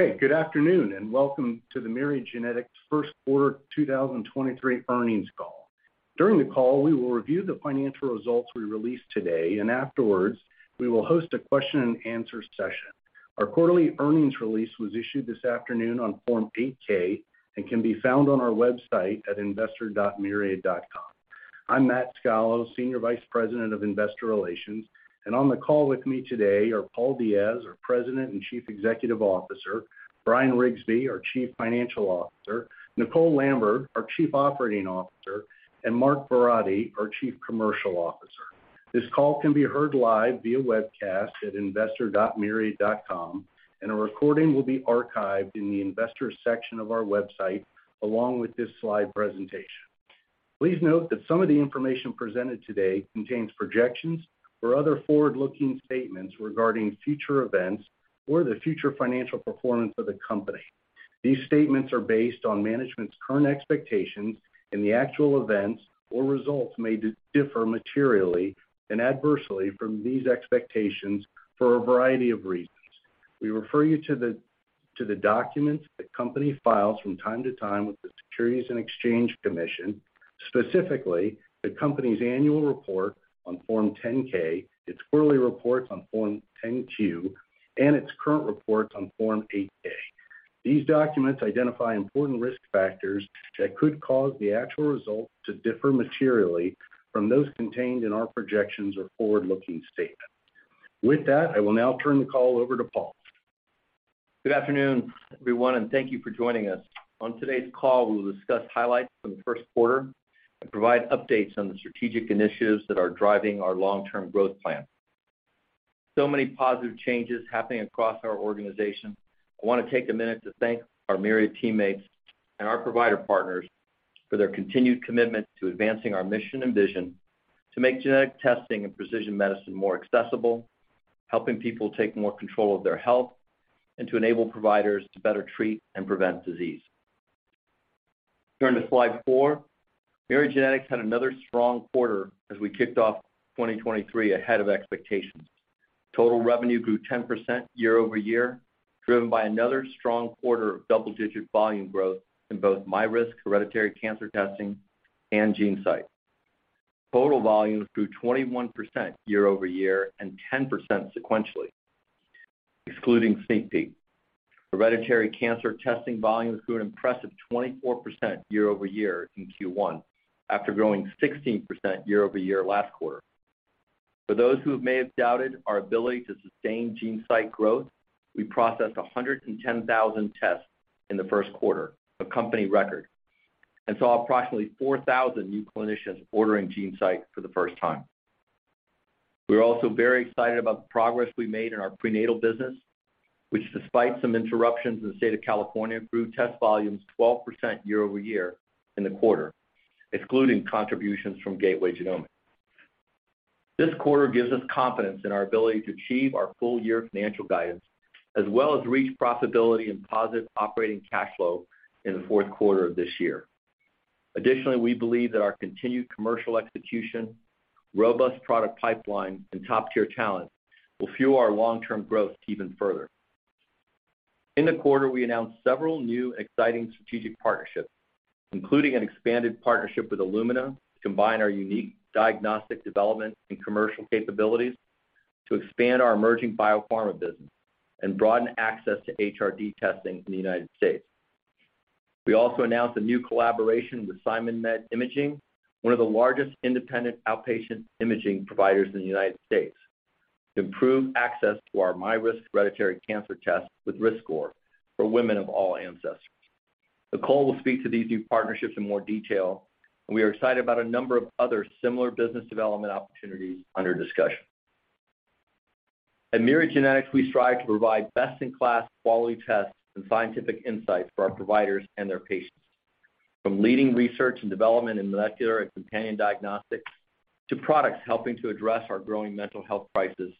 Okay, good afternoon, and welcome to the Myriad Genetics' First Quarter 2023 Earnings Call. During the call, we will review the financial results we released today. Afterwards, we will host a question and answer session. Our quarterly earnings release was issued this afternoon on Form 8-K and can be found on our website at investor.myriad.com. I'm Matt Scalo, Senior Vice President of Investor Relations, and on the call with me today are Paul Diaz, our President and Chief Executive Officer, Bryan Riggsbee, our Chief Financial Officer, Nicole Lambert, our Chief Operating Officer, and Mark Verratti, our Chief Commercial Officer. This call can be heard live via webcast at investor.myriad.com, and a recording will be archived in the investors section of our website along with this slide presentation. Please note that some of the information presented today contains projections or other forward-looking statements regarding future events or the future financial performance of the company. These statements are based on management's current expectations. The actual events or results may differ materially and adversely from these expectations for a variety of reasons. We refer you to the documents the company files from time to time with the Securities and Exchange Commission, specifically the company's annual report on Form 10-K, its quarterly reports on Form 10-Q, and its current reports on Form 8-K. These documents identify important risk factors that could cause the actual results to differ materially from those contained in our projections or forward-looking statements. With that, I will now turn the call over to Paul. Good afternoon, everyone, and thank you for joining us. On today's call, we will discuss highlights from the first quarter and provide updates on the strategic initiatives that are driving our long-term growth plan. Many positive changes happening across our organization. I wanna take a minute to thank our Myriad teammates and our provider partners for their continued commitment to advancing our mission and vision to make genetic testing and precision medicine more accessible, helping people take more control of their health, and to enable providers to better treat and prevent disease. Turning to slide 4. Myriad Genetics had another strong quarter as we kicked off 2023 ahead of expectations. Total revenue grew 10% YoY, driven by another strong quarter of double-digit volume growth in both MyRisk hereditary cancer testing and GeneSight. Total volumes grew 21% YoY and 10% sequentially, excluding Safety. Hereditary cancer testing volumes grew an impressive 24% YoY in Q1, after growing 16% YoY last quarter. For those who may have doubted our ability to GeneSight growth, we processed 110,000 tests in the first quarter, a company record, and saw approximately 4,000 new clinicians GeneSight for the first time. We're also very excited about the progress we made in our prenatal business, which despite some interruptions in the state of California, grew test volumes 12% YoY in the quarter, excluding contributions from Gateway Genomics. This quarter gives us confidence in our ability to achieve our full year financial guidance, as well as reach profitability and positive operating cash flow in the fourth quarter of this year. We believe that our continued commercial execution, robust product pipeline, and top-tier talent will fuel our long-term growth even further. In the quarter, we announced several new exciting strategic partnerships, including an expanded partnership with Illumina to combine our unique diagnostic development and commercial capabilities to expand our emerging biopharma business and broaden access to HRD testing in the United States. We also announced a new collaboration with SimonMed Imaging, one of the largest independent outpatient imaging providers in the United States, to improve access to our MyRisk hereditary cancer test with RiskScore for women of all ancestors. Nicole will speak to these new partnerships in more detail, and we are excited about a number of other similar business development opportunities under discussion. At Myriad Genetics, we strive to provide best-in-class quality tests and scientific insights for our providers and their patients. From leading research and development in molecular and companion diagnostics to products helping to address our growing mental health crisis,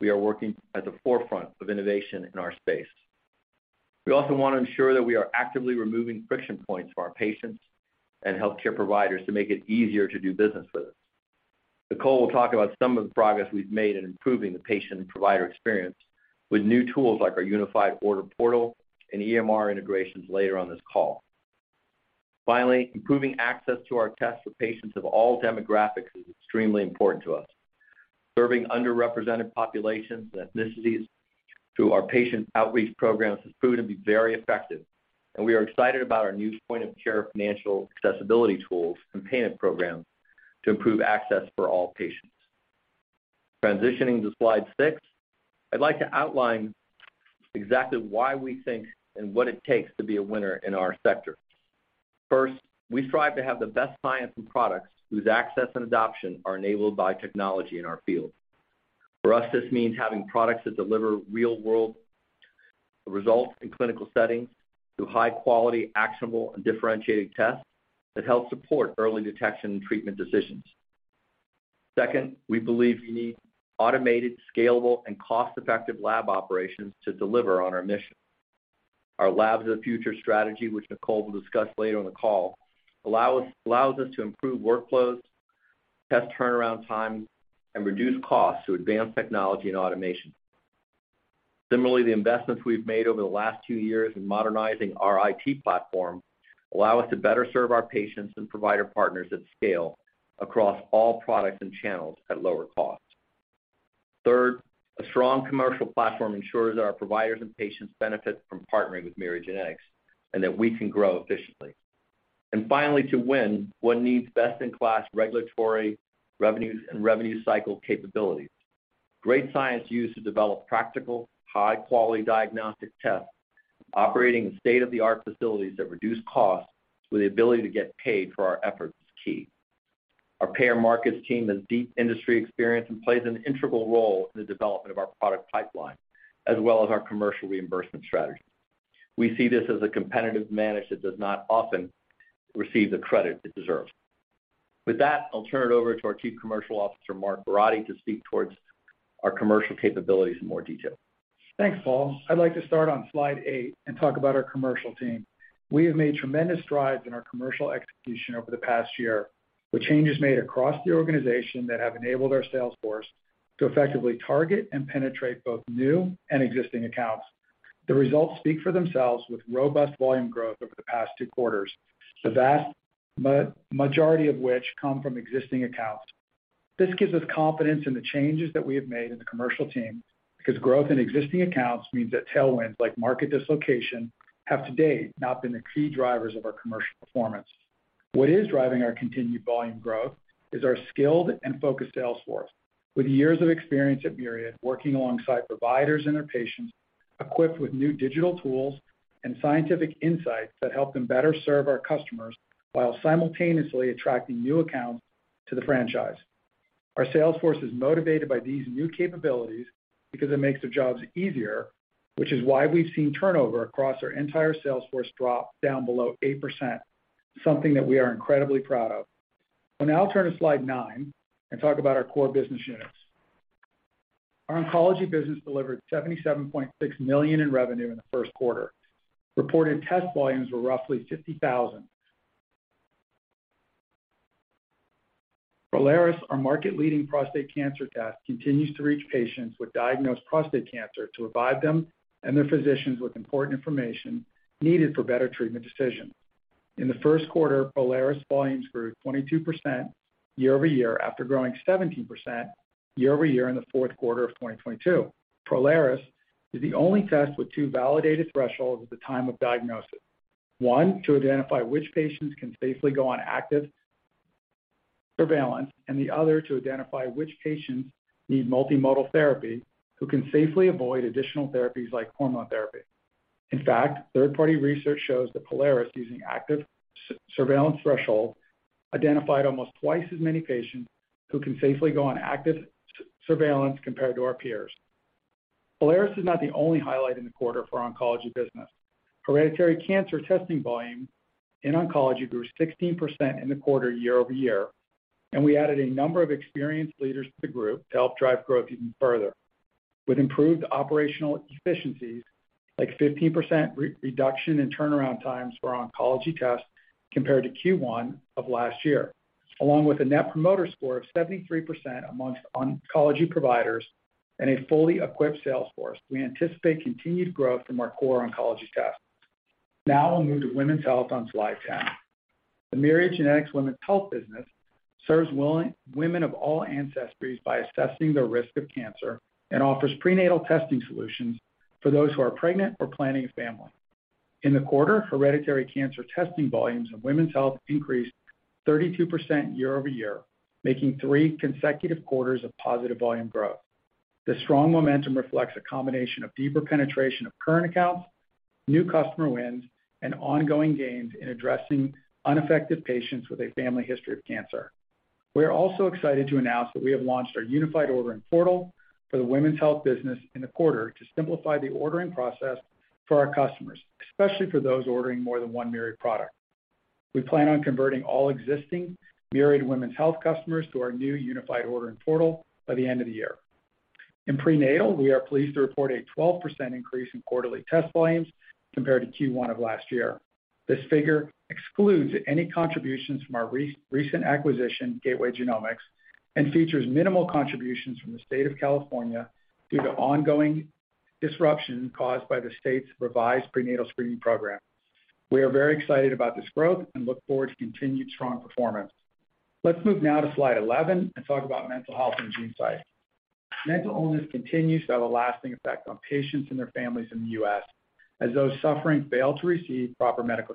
we are working at the forefront of innovation in our space. We also want to ensure that we are actively removing friction points for our patients and healthcare providers to make it easier to do business with us. Nicole will talk about some of the progress we've made in improving the patient and provider experience with new tools like our unified order portal and EMR integrations later on this call. Finally, improving access to our tests for patients of all demographics is extremely important to us. Serving underrepresented populations and ethnicities through our patient outreach programs has proven to be very effective, and we are excited about our new point-of-care financial accessibility tools and payment programs to improve access for all patients. Transitioning to Slide 6. I'd like to outline exactly why we think and what it takes to be a winner in our sector. First, we strive to have the best science and products whose access and adoption are enabled by technology in our field. For us, this means having products that deliver real-world results in clinical settings through high-quality, actionable, and differentiated tests that help support early detection and treatment decisions. Second, we believe we need automated, scalable, and cost-effective lab operations to deliver on our mission. Our Labs of the Future strategy, which Nicole will discuss later on the call, allows us to improve workflows-Test turnaround time and reduce costs to advance technology and automation. Similarly, the investments we've made over the last two years in modernizing our IT platform allow us to better serve our patients and provider partners at scale across all products and channels at lower costs. Third, a strong commercial platform ensures that our providers and patients benefit from partnering with Myriad Genetics and that we can grow efficiently. Finally, to win what needs best-in-class regulatory revenues and revenue cycle capabilities. Great science used to develop practical, high-quality diagnostic tests, operating state-of-the-art facilities that reduce costs with the ability to get paid for our efforts is key. Our payer markets team has deep industry experience and plays an integral role in the development of our product pipeline, as well as our commercial reimbursement strategy. We see this as a competitive manage that does not often receive the credit it deserves. With that, I'll turn it over to our Chief Commercial Officer, Mark Verratti, to speak towards our commercial capabilities in more detail. Thanks, Paul. I'd like to start on Slide 8 and talk about our commercial team. We have made tremendous strides in our commercial execution over the past year, with changes made across the organization that have enabled our sales force to effectively target and penetrate both new and existing accounts. The results speak for themselves with robust volume growth over the past two quarters, the vast majority of which come from existing accounts. This gives us confidence in the changes that we have made in the commercial team, because growth in existing accounts means that tailwinds like market dislocation have to date, not been the key drivers of our commercial performance. What is driving our continued volume growth is our skilled and focused sales force. With years of experience at Myriad, working alongside providers and their patients, equipped with new digital tools and scientific insights that help them better serve our customers while simultaneously attracting new accounts to the franchise. Our sales force is motivated by these new capabilities because it makes their jobs easier, which is why we've seen turnover across our entire sales force drop down below 8%, something that we are incredibly proud of. I'll now turn to Slide 9 and talk about our core business units. Our oncology business delivered $77.6 million in revenue in the first quarter. Reported test volumes were roughly Prolaris, our market-leading prostate cancer test, continues to reach patients with diagnosed prostate cancer to provide them and their physicians with important information needed for better treatment decisions. In the first Prolaris volumes grew 22% YoY after growing 17% YoY in the fourth quarter of Prolaris is the only test with two validated thresholds at the time of diagnosis. One, to identify which patients can safely go on active surveillance. The other to identify which patients need multimodal therapy who can safely avoid additional therapies like hormone therapy. In fact, third-party research shows Prolaris, using active surveillance threshold, identified almost twice as many patients who can safely go on active surveillance compared to our Prolaris is not the only highlight in the quarter for oncology business. Hereditary cancer testing volume in oncology grew 16% in the quarter YoY. We added a number of experienced leaders to the group to help drive growth even further. With improved operational efficiencies, like 15% reduction in turnaround times for oncology tests compared to Q1 of last year, along with a Net Promoter Score of 73% amongst oncology providers and a fully equipped sales force, we anticipate continued growth from our core oncology tests. We'll move to women's health on slide 10. The Myriad Genetics Women's Health business serves women of all ancestries by assessing their risk of cancer and offers prenatal testing solutions for those who are pregnant or planning a family. In the quarter, hereditary cancer testing volumes in women's health increased 32% YoY, making three consecutive quarters of positive volume growth. The strong momentum reflects a combination of deeper penetration of current accounts, new customer wins, and ongoing gains in addressing unaffected patients with a family history of cancer. We are also excited to announce that we have launched our unified ordering portal for the Women's Health business in the quarter to simplify the ordering process for our customers, especially for those ordering more than one Myriad product. We plan on converting all existing Myriad Women's Health customers to our new unified ordering portal by the end of the year. In prenatal, we are pleased to report a 12% increase in quarterly test volumes compared to Q1 of last year. This figure excludes any contributions from our recent acquisition, Gateway Genomics, and features minimal contributions from the state of California due to ongoing disruption caused by the state's revised prenatal screening program. We are very excited about this growth and look forward to continued strong performance. Let's move now to slide 11 and talk about mental health and GeneSight. Mental illness continues to have a lasting effect on patients and their families in the U.S. as those suffering fail to receive proper medical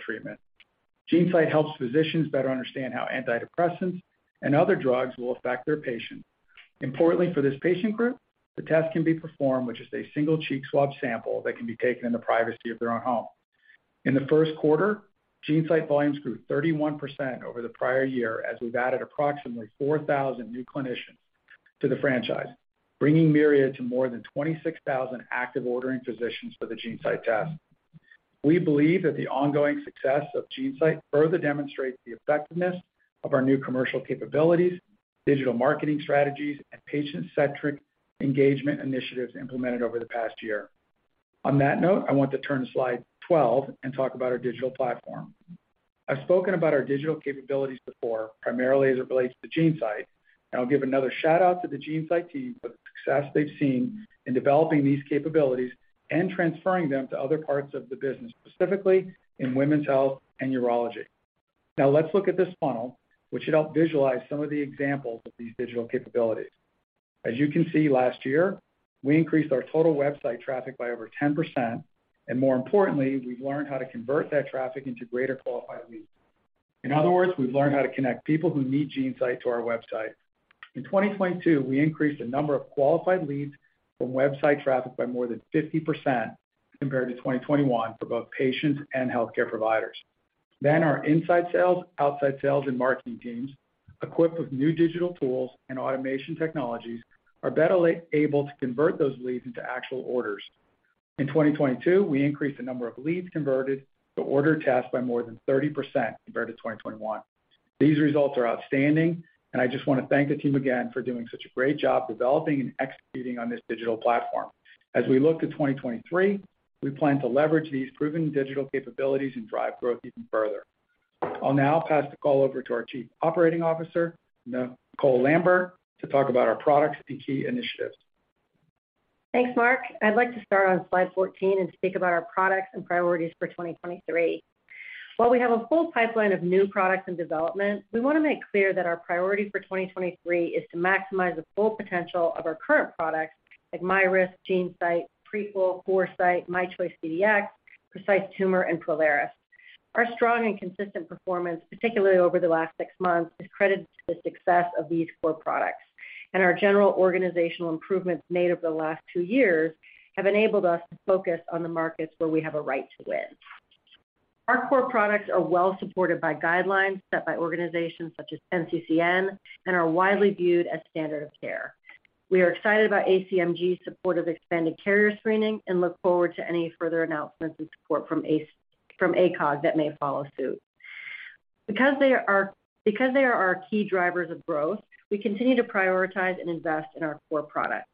GeneSight helps physicians better understand how antidepressants and other drugs will affect their patient. Importantly for this patient group, the test can be performed, which is a single cheek swab sample that can be taken in the privacy of their own home. In the first GeneSight volumes grew 31% over the prior year as we've added approximately 4,000 new clinicians to the franchise, bringing Myriad to more than 26,000 active ordering physicians for GeneSight test. We believe that the ongoing success GeneSight further demonstrates the effectiveness of our new commercial capabilities, digital marketing strategies, and patient-centric engagement initiatives implemented over the past year. On that note, I want to turn to slide 12 and talk about our digital platform. I've spoken about our digital capabilities before, primarily as it relates GeneSight, and I'll give another shout-out to GeneSight team for the success they've seen in developing these capabilities and transferring them to other parts of the business, specifically in women's health and urology. Let's look at this funnel, which should help visualize some of the examples of these digital capabilities. As you can see, last year, we increased our total website traffic by over 10%, and more importantly, we've learned how to convert that traffic into greater qualified leads. In other words, we've learned how to connect people who GeneSight to our website. In 2022, we increased the number of qualified leads from website traffic by more than 50% compared to 2021 for both patients and healthcare providers. Our inside sales, outside sales, and marketing teams, equipped with new digital tools and automation technologies, are better able to convert those leads into actual orders. In 2022, we increased the number of leads converted to order tests by more than 30% compared to 2021. These results are outstanding, and I just want to thank the team again for doing such a great job developing and executing on this digital platform. As we look to 2023, we plan to leverage these proven digital capabilities and drive growth even further. I'll now pass the call over to our Chief Operating Officer, Nicole Lambert, to talk about our products and key initiatives. Thanks, Mark. I'd like to start on slide 14 and speak about our products and priorities for 2023. While we have a full pipeline of new products in development, we want to make clear that our priority for 2023 is to maximize the full potential of our current products like GeneSight, Prequel, Foresight, MyChoice CDx, Precise Tumor, Prolaris. Our strong and consistent performance, particularly over the last six months, is credited to the success of these core products, and our general organizational improvements made over the last two years have enabled us to focus on the markets where we have a right to win. Our core products are well-supported by guidelines set by organizations such as NCCN and are widely viewed as standard of care. We are excited about ACMG's support of expanded carrier screening and look forward to any further announcements and support from ACOG that may follow suit. They are our key drivers of growth, we continue to prioritize and invest in our core products.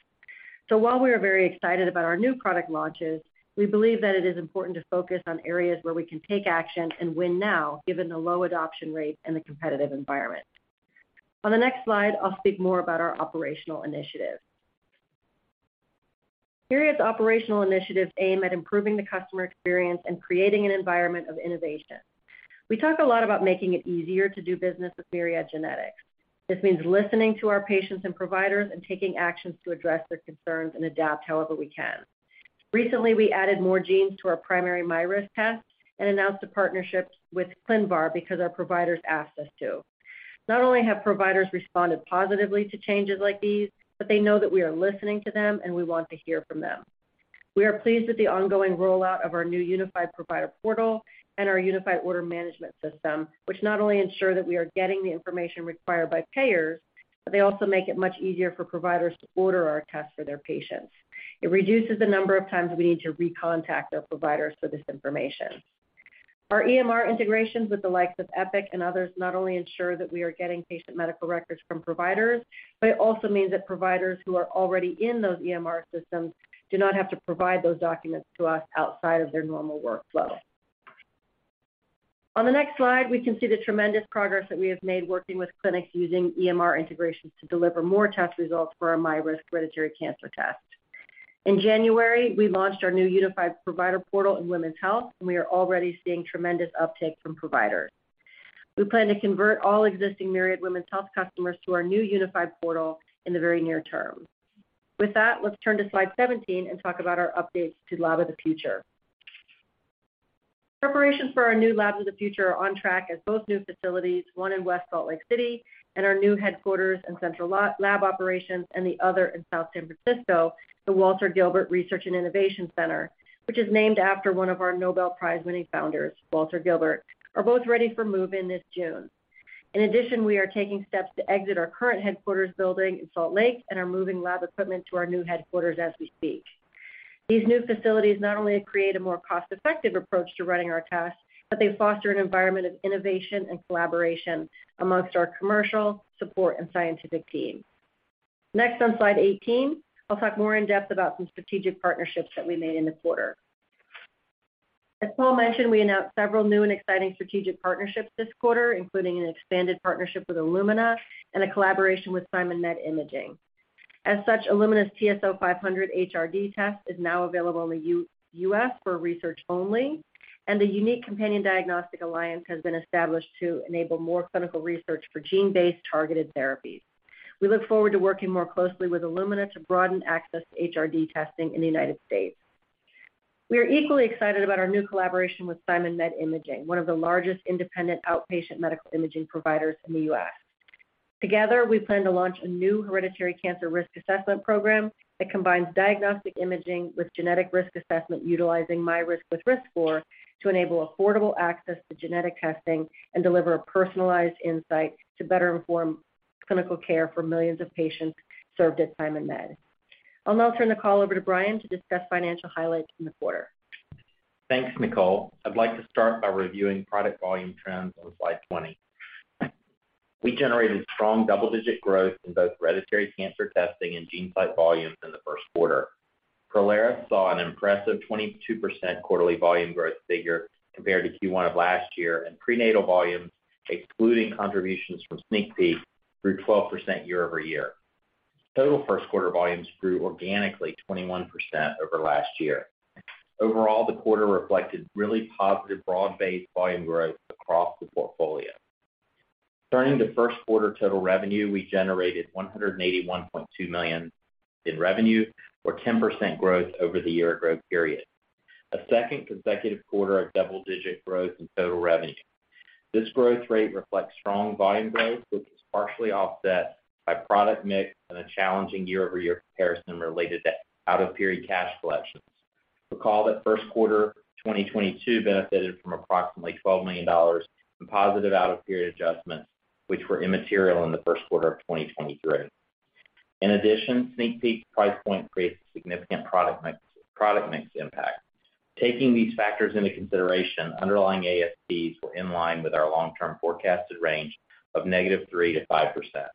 While we are very excited about our new product launches, we believe that it is important to focus on areas where we can take action and win now, given the low adoption rate and the competitive environment. On the next slide, I'll speak more about our operational initiatives. Myriad's operational initiatives aim at improving the customer experience and creating an environment of innovation. We talk a lot about making it easier to do business with Myriad Genetics. This means listening to our patients and providers and taking actions to address their concerns and adapt however we can. Recently, we added more genes to our primary MyRisk test and announced a partnership with ClinVar because our providers asked us to. Not only have providers responded positively to changes like these, but they know that we are listening to them, and we want to hear from them. We are pleased with the ongoing rollout of our new unified provider portal and our unified order management system, which not only ensure that we are getting the information required by payers, but they also make it much easier for providers to order our tests for their patients. It reduces the number of times we need to recontact those providers for this information. Our EMR integrations with the likes of Epic and others not only ensure that we are getting patient medical records from providers, but it also means that providers who are already in those EMR systems do not have to provide those documents to us outside of their normal workflow. On the next slide, we can see the tremendous progress that we have made working with clinics using EMR integrations to deliver more test results for our MyRisk hereditary cancer test. In January, we launched our new unified provider portal in women's health. We are already seeing tremendous uptake from providers. We plan to convert all existing Myriad Women's Health customers to our new unified portal in the very near term. With that, let's turn to slide 17 and talk about our updates to Labs of the Future. Preparations for our new Labs of the Future are on track as both new facilities, one in West Salt Lake City and our new headquarters and central lab operations, and the other in South San Francisco, the Walter Gilbert Research and Innovation Center, which is named after one of our Nobel Prize-winning founders, Walter Gilbert, are both ready for move-in this June. We are taking steps to exit our current headquarters building in Salt Lake and are moving lab equipment to our new headquarters as we speak. These new facilities not only create a more cost-effective approach to running our tests, but they foster an environment of innovation and collaboration amongst our commercial, support, and scientific teams. On slide 18, I'll talk more in depth about some strategic partnerships that we made in the quarter. As Paul mentioned, we announced several new and exciting strategic partnerships this quarter, including an expanded partnership with Illumina and a collaboration with SimonMed Imaging. As such, Illumina's TSO 500 HRD test is now available in the U.S. for research only, and the unique companion diagnostic alliance has been established to enable more clinical research for gene-based targeted therapies. We look forward to working more closely with Illumina to broaden access to HRD testing in the United States. We are equally excited about our new collaboration with SimonMed Imaging, one of the largest independent outpatient medical imaging providers in the U.S. Together, we plan to launch a new hereditary cancer risk assessment program that combines diagnostic imaging with genetic risk assessment utilizing MyRisk with RiskScore to enable affordable access to genetic testing and deliver personalized insights to better inform clinical care for millions of patients served at SimonMed. I'll now turn the call over to Bryan to discuss financial highlights in the quarter. Thanks, Nicole. I'd like to start by reviewing product volume trends on slide 20. We generated strong double-digit growth in both hereditary cancer testing GeneSight volumes in the first Prolaris saw an impressive 22% quarterly volume growth figure compared to Q1 of last year. Prenatal volumes, excluding contributions from SneakPeek, grew 12% YoY. Total first quarter volumes grew organically 21% over last year. Overall, the quarter reflected really positive broad-based volume growth across the portfolio. Turning to first quarter total revenue, we generated $181.2 million in revenue, or 10% growth over the year growth period. A second consecutive quarter of double-digit growth in total revenue. This growth rate reflects strong volume growth, which is partially offset by product mix and a challenging YoY comparison related to out-of-period cash collections. Recall that first quarter 2022 benefited from approximately $12 million in positive out-of-period adjustments, which were immaterial in the first quarter of 2023. In addition, SneakPeek price point creates a significant product mix impact. Taking these factors into consideration, underlying ASPs were in line with our long-term forecasted range of -3% to 5%.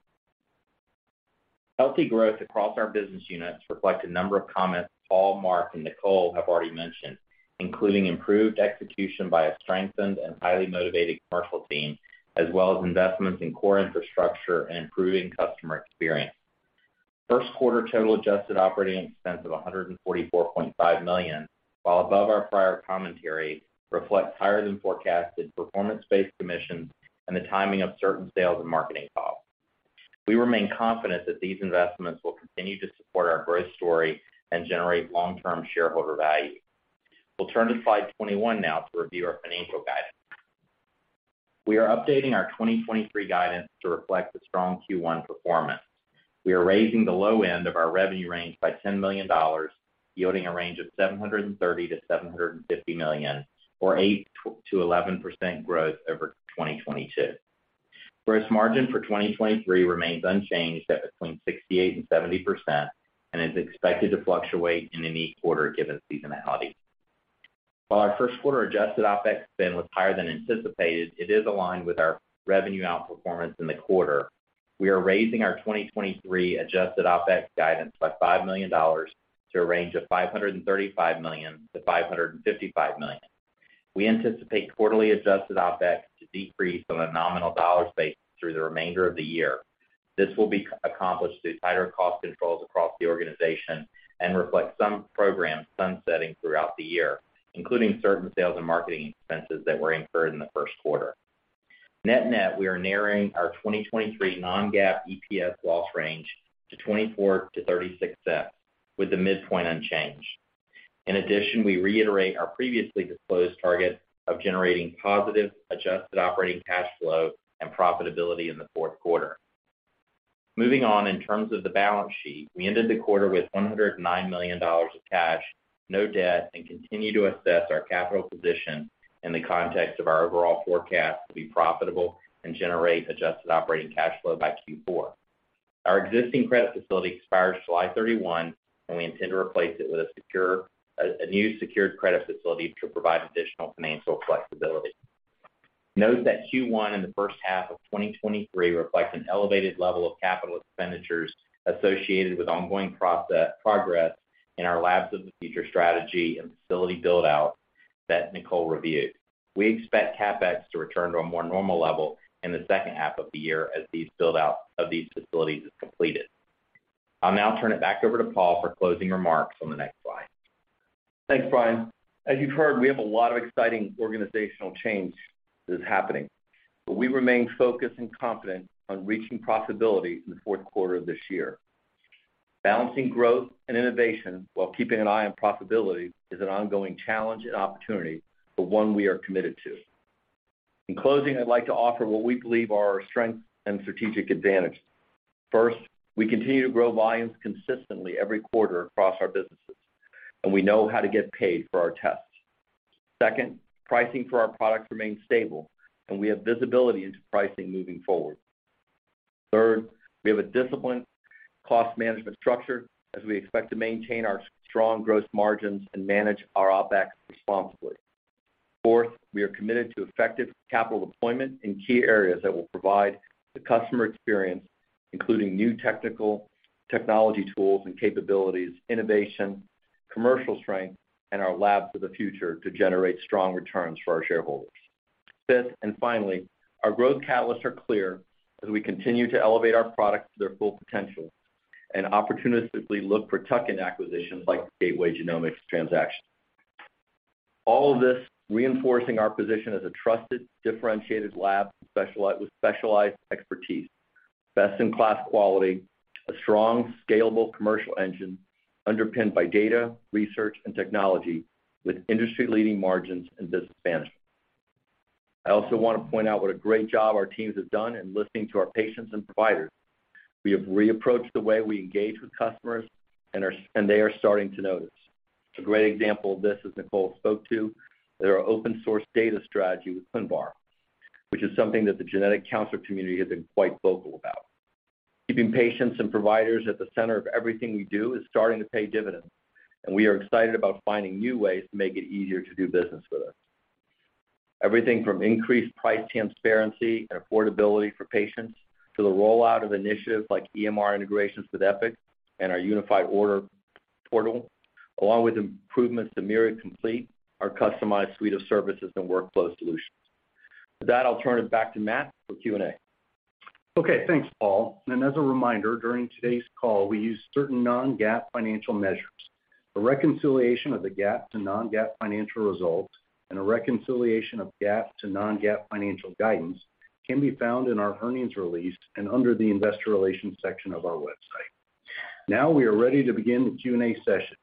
Healthy growth across our business units reflect a number of comments Paul, Mark, and Nicole have already mentioned, including improved execution by a strengthened and highly motivated commercial team, as well as investments in core infrastructure and improving customer experience. First quarter total OpEx of $144.5 million, while above our prior commentary, reflects higher than forecasted performance-based commissions and the timing of certain sales and marketing costs. We remain confident that these investments will continue to support our growth story and generate long-term shareholder value. We'll turn to slide 21 now to review our financial guidance. We are updating our 2023 guidance to reflect the strong Q1 performance. We are raising the low end of our revenue range by $10 million, yielding a range of $730 million-$750 million, or 8%-11% growth over 2022. Gross margin for 2023 remains unchanged at between 68% and 70% and is expected to fluctuate in any quarter given seasonality. While our first quarter OpEx spend was higher than anticipated, it is aligned with our revenue outperformance in the quarter. We are raising our 2023 OpEx guidance by $5 million to a range of $535 million-$555 million. We anticipate quarterly OpEx to decrease on a nominal dollar space through the remainder of the year. This will be accomplished through tighter cost controls across the organization and reflect some programs sunsetting throughout the year, including certain sales and marketing expenses that were incurred in the first quarter. Net-net, we are narrowing our 2023 non-GAAP EPS loss range to $0.24-$0.36, with the midpoint unchanged. In addition, we reiterate our previously disclosed target of generating positive adjusted operating cash flow and profitability in the fourth quarter. Moving on, in terms of the balance sheet, we ended the quarter with $109 million of cash, no debt, and continue to assess our capital position in the context of our overall forecast to be profitable and generate adjusted operating cash flow by Q4. Our existing credit facility expires July 31, and we intend to replace it with a new secured credit facility to provide additional financial flexibility. Note that Q1 in the first half of 2023 reflects an elevated level of CapEx associated with ongoing progress in our Labs of the Future strategy and facility build-out that Nicole reviewed. We expect CapEx to return to a more normal level in the second half of the year as these build-out of these facilities is completed. I'll now turn it back over to Paul for closing remarks on the next slide. Thanks, Bryan. As you've heard, we have a lot of exciting organizational change that is happening, but we remain focused and confident on reaching profitability in the fourth quarter of this year. Balancing growth and innovation while keeping an eye on profitability is an ongoing challenge and opportunity, but one we are committed to. In closing, I'd like to offer what we believe are our strengths and strategic advantage. First, we continue to grow volumes consistently every quarter across our businesses, and we know how to get paid for our tests. Second, pricing for our products remains stable, and we have visibility into pricing moving forward. Third, we have a disciplined cost management structure as we expect to maintain our strong growth margins and manage OpEx responsibly. Fourth, we are committed to effective capital deployment in key areas that will provide the customer experience, including new technology tools and capabilities, innovation, commercial strength, and our Lab for the Future to generate strong returns for our shareholders. Fifth, and finally, our growth catalysts are clear as we continue to elevate our products to their full potential and opportunistically look for tuck-in acquisitions like the Gateway Genomics transaction. All of this reinforcing our position as a trusted, differentiated lab with specialized expertise, best-in-class quality, a strong, scalable commercial engine underpinned by data, research, and technology with industry-leading margins and discipline management. I also want to point out what a great job our teams have done in listening to our patients and providers. We have reapproached the way we engage with customers and they are starting to notice. A great example of this, as Nicole spoke to, that our open source data strategy with ClinVar, which is something that the genetic counselor community has been quite vocal about. Keeping patients and providers at the center of everything we do is starting to pay dividends, and we are excited about finding new ways to make it easier to do business with us. Everything from increased price transparency and affordability for patients to the rollout of initiatives like EMR integrations with Epic and our unified order portal, along with improvements to Myriad Complete, our customized suite of services and workflow solutions. With that, I'll turn it back to Matt for Q&A. Okay, thanks, Paul. As a reminder, during today's call, we use certain non-GAAP financial measures. A reconciliation of the GAAP to non-GAAP financial results and a reconciliation of GAAP to non-GAAP financial guidance can be found in our earnings release and under the investor relations section of our website. Now we are ready to begin the Q&A session.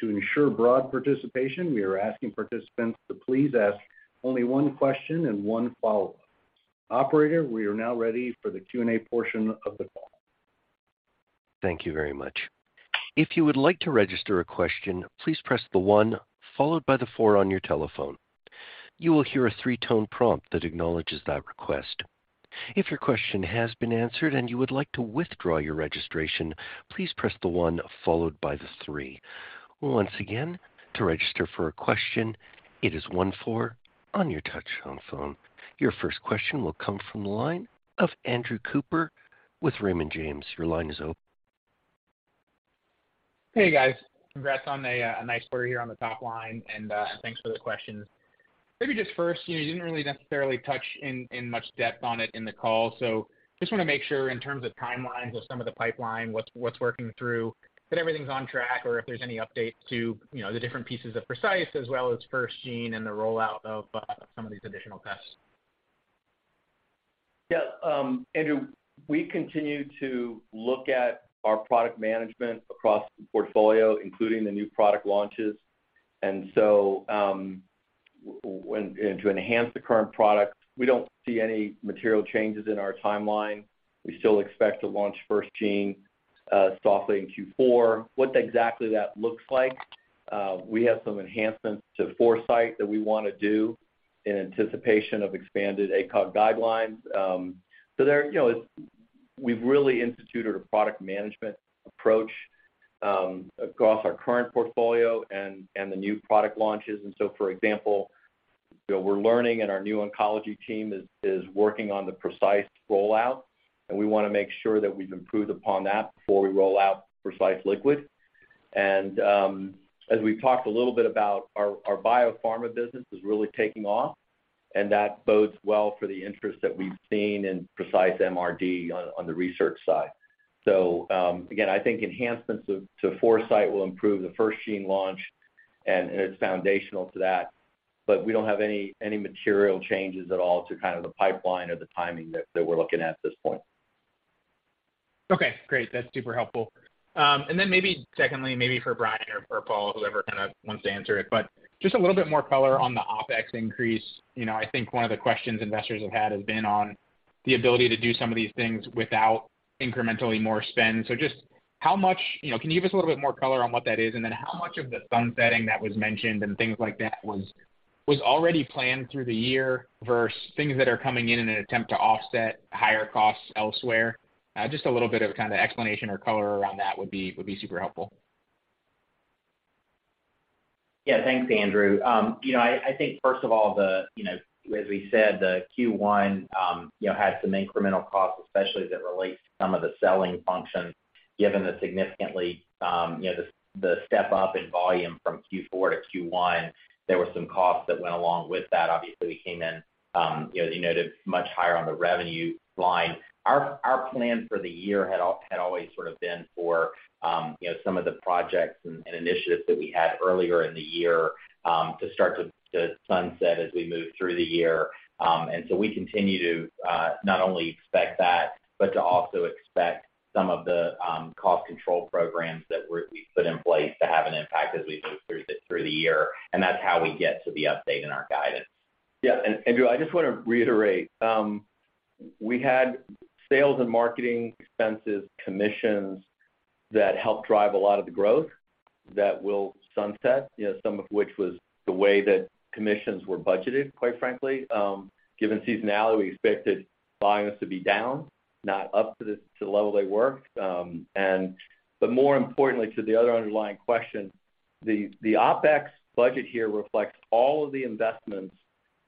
To ensure broad participation, we are asking participants to please ask only one question and one follow-up. Operator, we are now ready for the Q&A portion of the call. Thank you very much. If you would like to register a question, please press the one followed by the four on your telephone. You will hear a three-tone prompt that acknowledges that request. If your question has been answered and you would like to withdraw your registration, please press the one followed by the three. Once again, to register for a question, it is one four on your touchtone phone. Your first question will come from the line of Andrew Cooper with Raymond James. Your line is open. Hey, guys. Congrats on a nice quarter here on the top line. Thanks for the questions. Maybe just first, you know, you didn't really necessarily touch in much depth on it in the call. Just wanna make sure in terms of timelines of some of the pipeline, what's working through, that everything's on track or if there's any update to, you know, the different pieces of Precise as well as FirstGene and the rollout of some of these additional tests. Yeah. Andrew, we continue to look at our product management across the portfolio, including the new product launches. To enhance the current product, we don't see any material changes in our timeline. We still expect to launch FirstGene softly in Q4. What exactly that looks like, we have some enhancements to Foresight that we wanna do in anticipation of expanded ACOG guidelines. You know, it's. We've really instituted a product management approach across our current portfolio and the new product launches. For example, you know, we're learning and our new oncology team is working on the Precise rollout, and we wanna make sure that we've improved upon that before we roll out Precise Liquid. As we've talked a little bit about our biopharma business is really taking off, and that bodes well for the interest that we've seen in Precise MRD on the research side. Again, I think enhancements to Foresight will improve the FirstGene launch and it's foundational to that. We don't have any material changes at all to kind of the pipeline or the timing that we're looking at this point. Okay, great. That's super helpful. Then maybe secondly, maybe for Bryan or for Paul, whoever kind of wants to answer it, but just a little bit more color on OpEx increase. You know, I think one of the questions investors have had has been on the ability to do some of these things without incrementally more spend. Just how much You know, can you give us a little bit more color on what that is? Then how much of the sunsetting that was mentioned and things like that was already planned through the year versus things that are coming in in an attempt to offset higher costs elsewhere? Just a little bit of kind of explanation or color around that would be super helpful. Yeah. Thanks, Andrew. you know, I think first of all the, you know, as we said, the Q1, you know, had some incremental costs, especially as it relates to some of the selling functions. Given the significantly, you know, the step-up in volume from Q4 to Q1, there were some costs that went along with that. Obviously, we came in, you know, as you noted, much higher on the revenue line. Our plan for the year had always sort of been for, you know, some of the projects and initiatives that we had earlier in the year, to start to sunset as we moved through the year. We continue to not only expect that, but to also expect some of the cost control programs that we've put in place to have an impact as we move through the, through the year. That's how we get to the update in our guidance. Yeah. Andrew, I just wanna reiterate, we had sales and marketing expenses, commissions that helped drive a lot of the growth that will sunset, you know, some of which was the way that commissions were budgeted, quite frankly. Given seasonality, we expected volumes to be down, not up to this, to the level they were. But more importantly to the other underlying question, OpEx budget here reflects all of the investments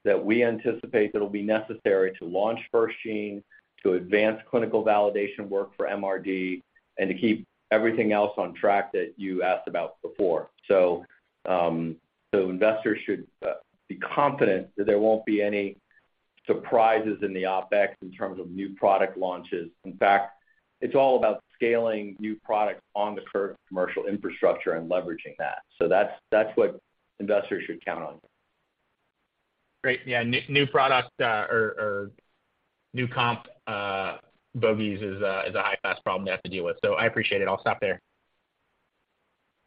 that we anticipate that'll be necessary to launch FirstGene, to advance clinical validation work for MRD, and to keep everything else on track that you asked about before. Investors should be confident that there won't be any surprises in OpEx in terms of new product launches. In fact, it's all about scaling new products on the current commercial infrastructure and leveraging that. That's what investors should count on. Great. Yeah. New product, or new comp, bogeys is a high-class problem they have to deal with. I appreciate it. I'll stop there.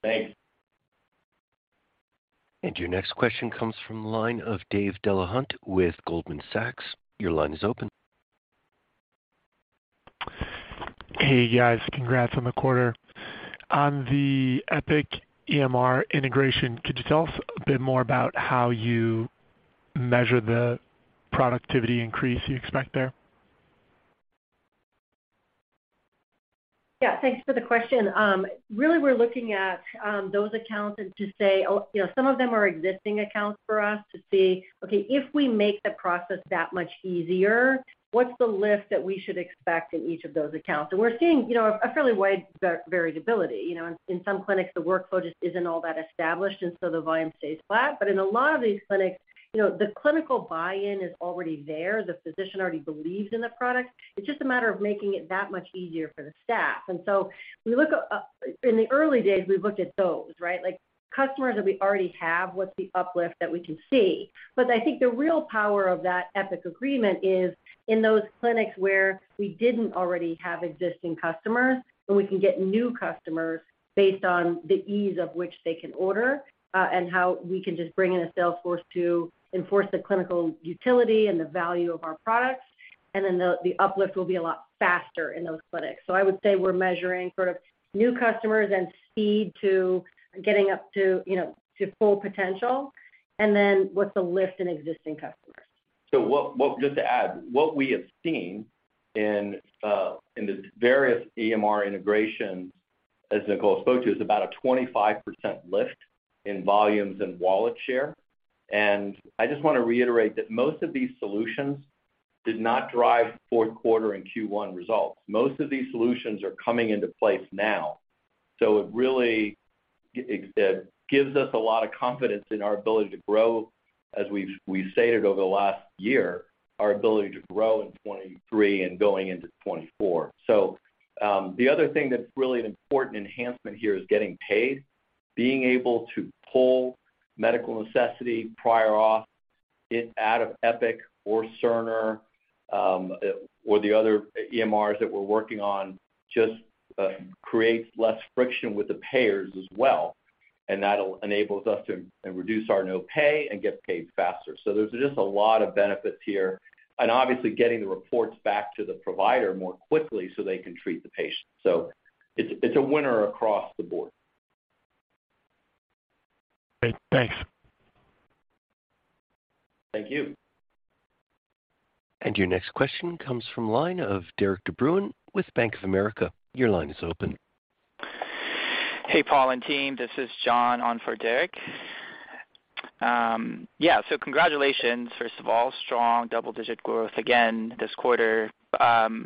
Thanks. Your next question comes from the line of Dave Delahunt with Goldman Sachs. Your line is open. Hey, guys. Congrats on the quarter. On the Epic EMR integration, could you tell us a bit more about how you? Measure the productivity increase you expect there? Yeah, thanks for the question. Really, we're looking at those accounts and to say, you know, some of them are existing accounts for us to see, okay, if we make the process that much easier, what's the lift that we should expect in each of those accounts? We're seeing, you know, a fairly wide variability. You know, in some clinics, the workflow just isn't all that established, the volume stays flat. In a lot of these clinics, you know, the clinical buy-in is already there. The physician already believes in the product. It's just a matter of making it that much easier for the staff. We look in the early days, we looked at those, right? Like, customers that we already have, what's the uplift that we can see? I think the real power of that Epic agreement is in those clinics where we didn't already have existing customers and we can get new customers based on the ease of which they can order, and how we can just bring in a sales force to enforce the clinical utility and the value of our products, and then the uplift will be a lot faster in those clinics. I would say we're measuring sort of new customers and speed to getting up to, you know, to full potential, and then what's the lift in existing customers. Just to add, what we have seen in the various EMR integrations, as Nicole spoke to, is about a 25% lift in volumes and wallet share. I just wanna reiterate that most of these solutions did not drive fourth quarter and Q1 results. Most of these solutions are coming into place now. It really gives us a lot of confidence in our ability to grow, as we've stated over the last year, our ability to grow in 2023 and going into 2024. The other thing that's really an important enhancement here is getting paid, being able to pull medical necessity prior off it out of Epic or Cerner, or the other EMRs that we're working on just creates less friction with the payers as well, and that'll. enables us to reduce our no pay and get paid faster. There's just a lot of benefits here, obviously getting the reports back to the provider more quickly so they can treat the patient. It's a winner across the board. Great. Thanks. Thank you. Your next question comes from line of Derik De Bruin with Bank of America. Your line is open. Hey, Paul and team. This is John on for Derik. Congratulations, first of all. Strong double-digit growth again this quarter. I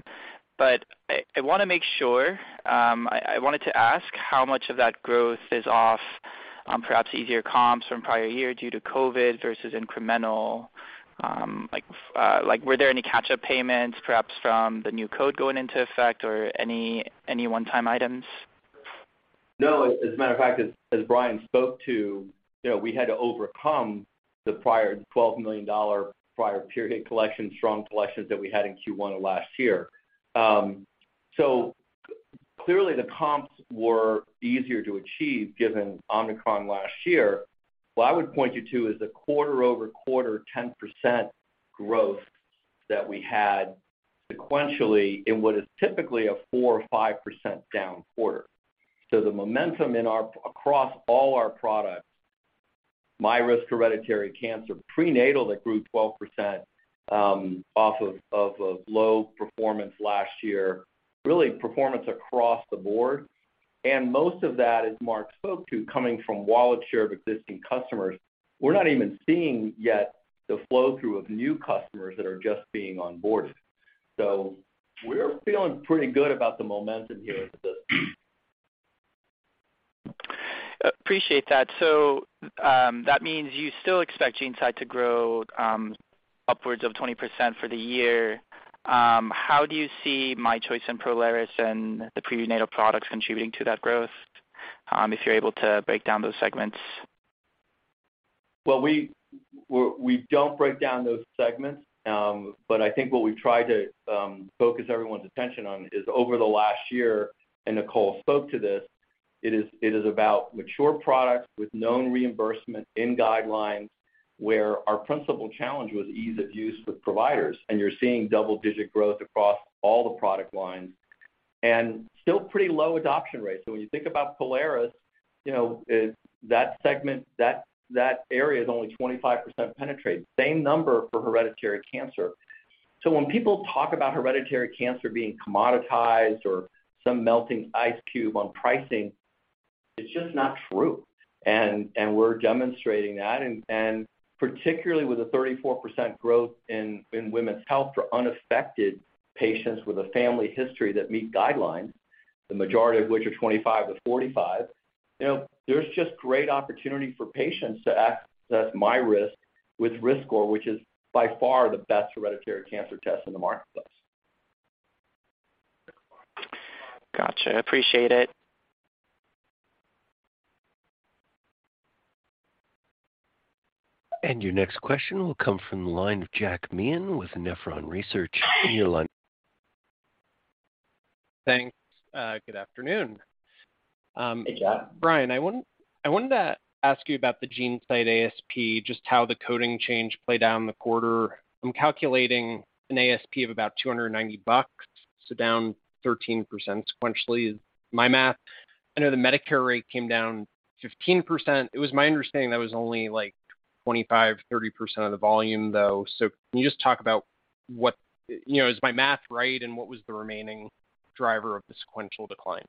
wanna make sure, I wanted to ask how much of that growth is off, perhaps easier comps from prior year due to COVID versus incremental, were there any catch-up payments, perhaps from the new code going into effect or any one-time items? No. As a matter of fact, as Bryan spoke to, you know, we had to overcome the prior $12 million prior period collection, strong collections that we had in Q1 of last year. Clearly the comps were easier to achieve given Omicron last year. What I would point you to is the QoQ 10% growth that we had sequentially in what is typically a 4% or 5% down quarter. The momentum in our across all our products, MyRisk hereditary cancer, prenatal that grew 12%, off of a low performance last year, really performance across the board. Most of that, as Mark spoke to, coming from wallet share of existing customers. We're not even seeing yet the flow-through of new customers that are just being onboarded. We're feeling pretty good about the momentum here with this. Appreciate that. That means you still GeneSight to grow, upwards of 20% for the year. How do you see MyChoice Prolaris and the prenatal products contributing to that growth, if you're able to break down those segments? We don't break down those segments, but I think what we've tried to focus everyone's attention on is over the last year, and Nicole spoke to this, it is about mature products with known reimbursement in guidelines where our principal challenge was ease of use with providers, and you're seeing double-digit growth across all the product lines and still pretty low adoption rates. When you think Prolaris, you know, that segment, that area is only 25% penetrated. Same number for hereditary cancer. When people talk about hereditary cancer being commoditized or some melting ice cube on pricing, it's just not true, and we're demonstrating that. Particularly with the 34% growth in women's health for unaffected patients with a family history that meet guidelines, the majority of which are 25 - 45, you know, there's just great opportunity for patients that's MyRisk with RiskScore, which is by far the best hereditary cancer test in the marketplace. Gotcha. Appreciate it. Your next question will come from the line of Jack Meehan with Nephron Research. Your line. Thanks. Good afternoon. Hey, Jack. Bryan, I wanted to ask you about GeneSight ASP, just how the coding change played out in the quarter. I'm calculating an ASP of about $290. Down 13% sequentially is my math. I know the Medicare rate came down 15%. It was my understanding that was only like 25%, 30% of the volume, though. Can you just talk about what? You know, is my math right, and what was the remaining driver of the sequential decline?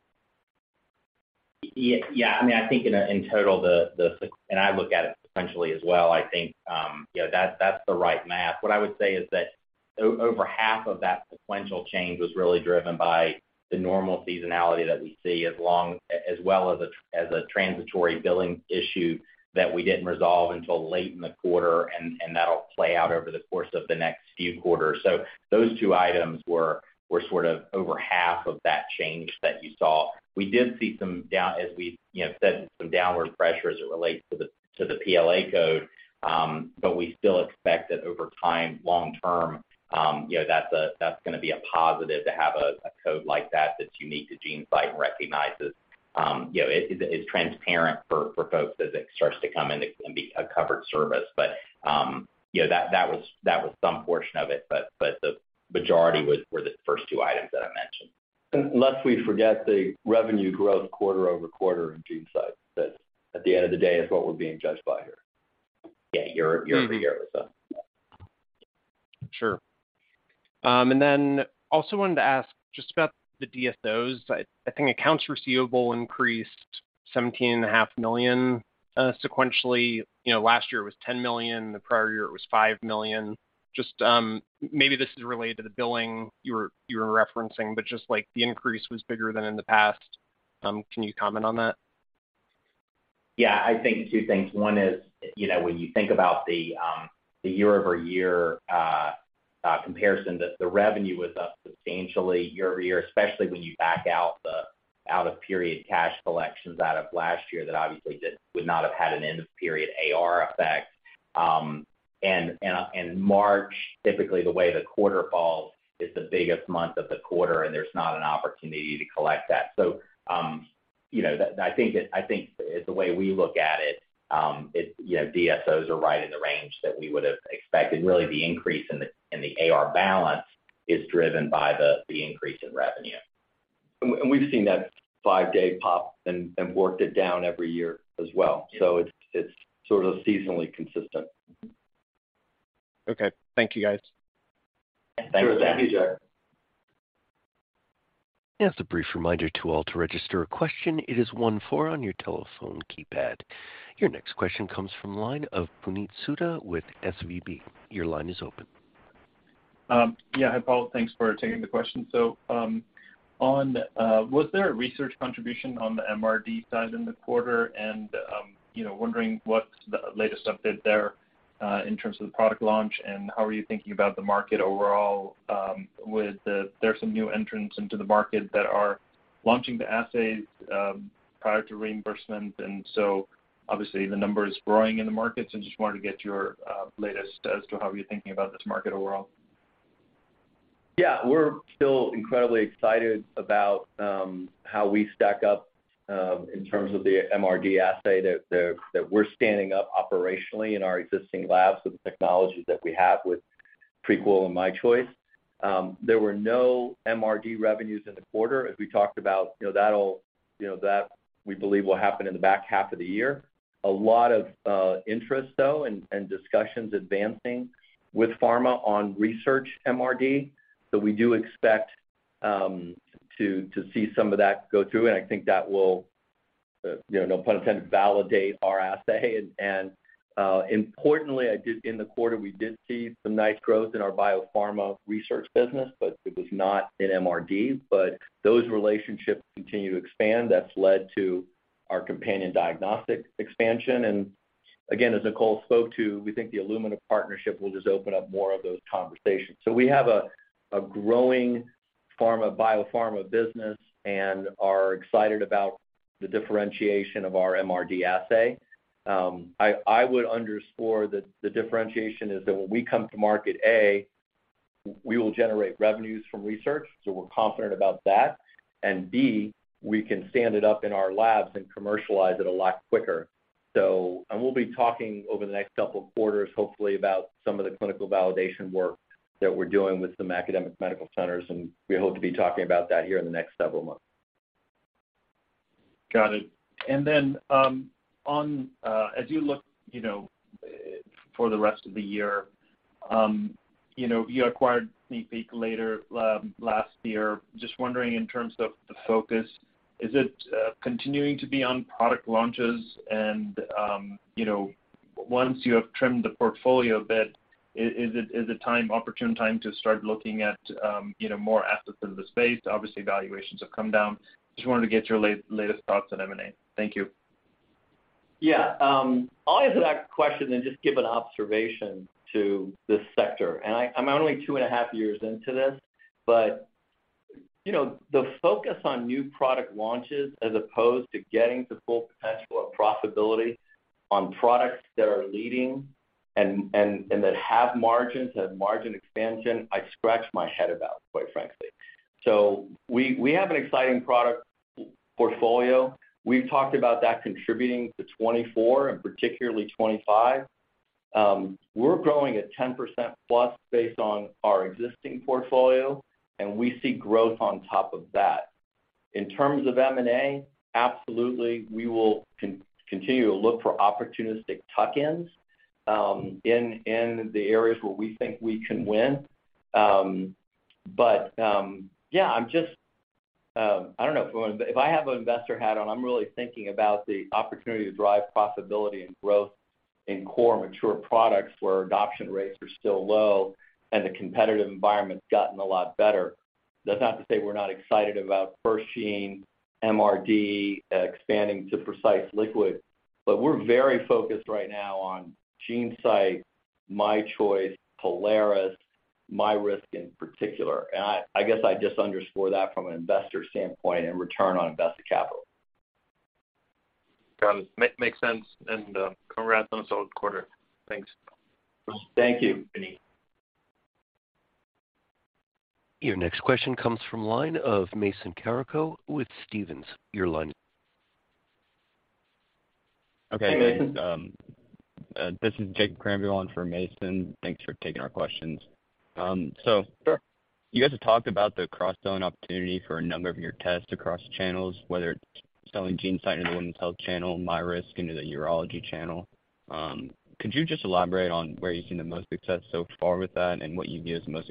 Yeah. I mean, I think in total, and I look at it sequentially as well, I think, you know, that's the right math. What I would say is that over half of that sequential change was really driven by the normal seasonality that we see as long as well as a transitory billing issue that we didn't resolve until late in the quarter, and that'll play out over the course of the next few quarters. Those two items were sort of over half of that change that you saw. We did see some down as we, you know, said some downward pressure as it relates to the PLA code. We still expect that over time, long term, you know, that's gonna be a positive to have a code like that that's unique GeneSight and recognizes, you know, it is transparent for folks as it starts to come in and be a covered service. You know, that was some portion of it. The majority were the first two items that I mentioned. Lest we forget the revenue growth QoQ GeneSight. That at the end of the day is what we're being judged by here. Yeah. Year-over-year. Sure. Then also wanted to ask just about the DSOs. I think accounts receivable increased $17.5 million sequentially. You know, last year it was $10 million, the prior year it was $5 million. Just, maybe this is related to the billing you were referencing, but just like the increase was bigger than in the past. Can you comment on that? Yeah, I think two things. One is, you know, when you think about the YoY comparison, the revenue was up substantially YoY, especially when you back out the out-of-period cash collections out of last year that obviously would not have had an end-of-period AR effect. March, typically the way the quarter falls is the biggest month of the quarter, and there's not an opportunity to collect that. You know, I think the way we look at it's, you know, DSOs are right in the range that we would have expected. Really the increase in the AR balance is driven by the increase in revenue. We've seen that 5-day pop and worked it down every year as well. It's sort of seasonally consistent. Okay. Thank you, guys. Thanks. Thank you, Jack. As a brief reminder to all to register a question, it is one-four on your telephone keypad. Your next question comes from line of Puneet Souda with SVB. Your line is open. Yeah. Hi, Paul. Thanks for taking the question. On, was there a research contribution on the MRD side in the quarter? You know, wondering what's the latest update there, in terms of the product launch and how are you thinking about the market overall? There's some new entrants into the market that are launching the assays, prior to reimbursement, and so obviously the number is growing in the market. Just wanted to get your latest as to how you're thinking about this market overall. Yeah. We're still incredibly excited about how we stack up in terms of the MRD assay that we're standing up operationally in our existing labs with the technology that we have with Prequel and MyChoice. There were no MRD revenues in the quarter as we talked about. You know, that'll, you know, that we believe will happen in the back half of the year. A lot of interest though and discussions advancing with pharma on research MRD. We do expect to see some of that go through, and I think that will, you know, no pun intended, validate our assay. Importantly, in the quarter, we did see some nice growth in our biopharma research business, but it was not in MRD. Those relationships continue to expand. That's led to our companion diagnostic expansion. Again, as Nicole spoke to, we think the Illumina partnership will just open up more of those conversations. We have a growing pharma, biopharma business and are excited about the differentiation of our MRD assay. I would underscore that the differentiation is that when we come to market, A, we will generate revenues from research, so we're confident about that. B, we can stand it up in our labs and commercialize it a lot quicker. We'll be talking over the next couple of quarters, hopefully about some of the clinical validation work that we're doing with some academic medical centers, and we hope to be talking about that here in the next several months. Got it. Then, on, as you look, you know, for the rest of the year, you know, you acquired SneakPeek later last year. Just wondering in terms of the focus, is it continuing to be on product launches? You know, once you have trimmed the portfolio a bit, is it time, opportune time to start looking at, you know, more assets in the space? Obviously, valuations have come down. Just wanted to get your latest thoughts on M&A. Thank you. Yeah. I'll answer that question and just give an observation to this sector. I'm only 2 1/2 years into this, but, you know, the focus on new product launches as opposed to getting to full potential of profitability on products that are leading and that have margins, have margin expansion, I scratch my head about, quite frankly. We have an exciting product portfolio. We've talked about that contributing to 2024 and particularly 2025. We're growing at +10% based on our existing portfolio, and we see growth on top of that. In terms of M&A, absolutely, we will continue to look for opportunistic tuck-ins, in the areas where we think we can win. Yeah, if I have an investor hat on, I'm really thinking about the opportunity to drive profitability and growth in core mature products where adoption rates are still low and the competitive environment's gotten a lot better. That's not to say we're not excited about FirstGene, MRD, expanding to Precise Liquid, but we're very focused right now Prolaris, MyRisk in particular. I guess I just underscore that from an investor standpoint and return on invested capital. Got it. makes sense and congrats on a solid quarter. Thanks. Thank you, Puneet. Your next question comes from line of Mason Carrico with Stephens. Your line- Okay. This is Jason Crampton for Mason. Thanks for taking our questions. Sure. You guys have talked about the cross-selling opportunity for a number of your tests across channels, whether it's GeneSight in the women's health channel, MyRisk into the urology channel. Could you just elaborate on where you've seen the most success so far with that and what you view as the most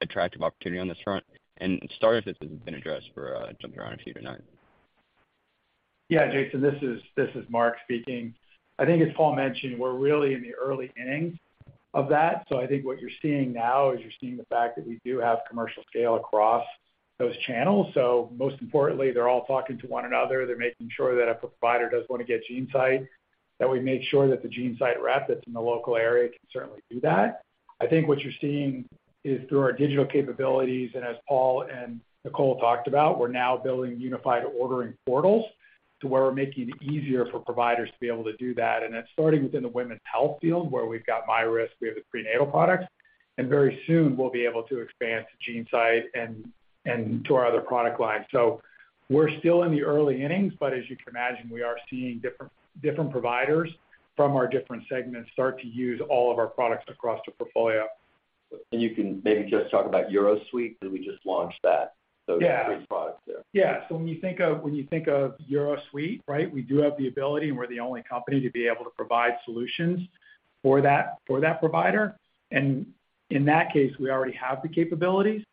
attractive opportunity on this front? Start if this hasn't been addressed for, jumping around a few tonight. Jason, this is Mark speaking. I think as Paul mentioned, we're really in the early innings of that. I think what you're seeing now is you're seeing the fact that we do have commercial scale across those channels. Most importantly, they're all talking to one another. They're making sure that if a provider does want to GeneSight, that we make sure that GeneSight rep that's in the local area can certainly do that. I think what you're seeing is through our digital capabilities, and as Paul and Nicole talked about, we're now building unified ordering portals to where we're making it easier for providers to be able to do that. That's starting within the women's health field, where we've got MyRisk, we have the prenatal products. Very soon, we'll be able to expand GeneSight and to our other product lines. We're still in the early innings, but as you can imagine, we are seeing different providers from our different segments start to use all of our products across the portfolio. You can maybe just talk about UroSuite, that we just launched that. Yeah. three products there. Yeah. When you think of, when you think of UroSuite, right, we do have the ability and we're the only company to be able to provide solutions for that, for that provider. In that case, we already have the capabilities.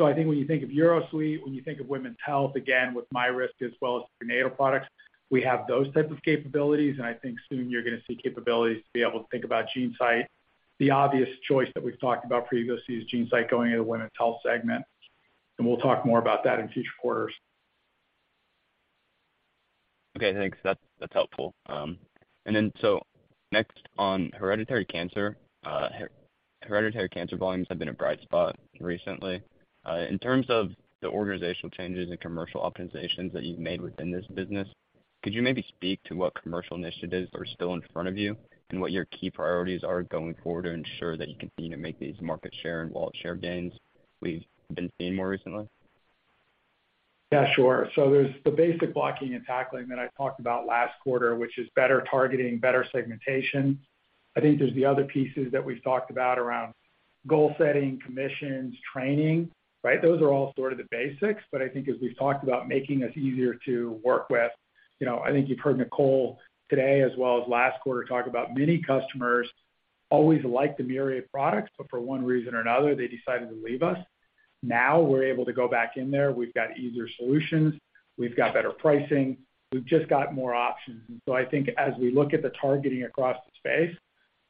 I think when you think of UroSuite, when you think of women's health, again, with MyRisk as well as prenatal products, we have those types of capabilities. I think soon you're gonna see capabilities to be able to think GeneSight. The obvious choice that we've talked about previously GeneSight going into the women's health segment. We'll talk more about that in future quarters. Thanks. That's, that's helpful. Next on hereditary cancer. Hereditary cancer volumes have been a bright spot recently. In terms of the organizational changes and commercial optimizations that you've made within this business, could you maybe speak to what commercial initiatives are still in front of you and what your key priorities are going forward to ensure that you continue to make these market share and wallet share gains we've been seeing more recently? Yeah, sure. There's the basic blocking and tackling that I talked about last quarter, which is better targeting, better segmentation. I think there's the other pieces that we've talked about around goal setting, commissions, training, right? Those are all sort of the basics, but I think as we've talked about making us easier to work with. You know, I think you've heard Nicole today as well as last quarter talk about many customers always like the Myriad products, but for one reason or another, they decided to leave us. Now we're able to go back in there. We've got easier solutions. We've got better pricing. We've just got more options. I think as we look at the targeting across the space,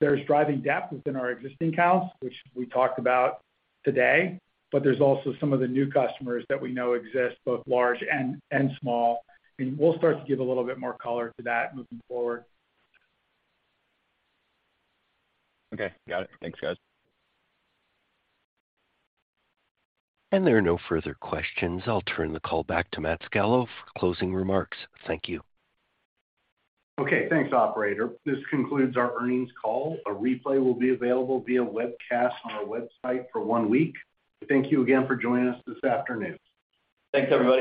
there's driving depth within our existing accounts, which we talked about today, but there's also some of the new customers that we know exist, both large and small. We'll start to give a little bit more color to that moving forward. Okay. Got it. Thanks, guys. There are no further questions. I'll turn the call back to Matt Scalo for closing remarks. Thank you. Okay, thanks, operator. This concludes our earnings call. A replay will be available via webcast on our website for one week. Thank you again for joining us this afternoon. Thanks, everyone.